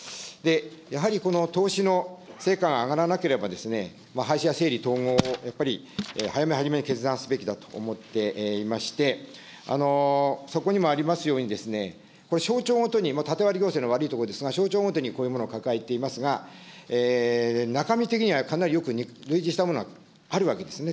やはりこの投資の成果が上がらなければ、廃止や整理、統合をやっぱり早め早めに決断すべきだと思っていまして、そこにもありますように、省庁ごとに縦割り行政の悪いところですが、これ、省庁ごとにこういうものを抱えていますが、中身的にはかなりよく類似したものがあるわけですね。